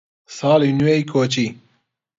ساڵی نوێی کۆچی